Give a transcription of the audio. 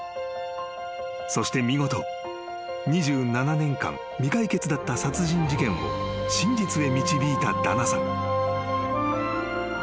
［そして見事２７年間未解決だった殺人事件を真実へ導いたダナさん］